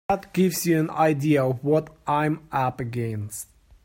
That gives you an idea of what I'm up against.